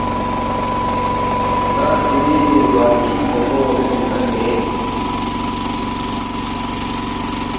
”ن٘ا کِھری بادشی بون٘و کھیونگ کھن مین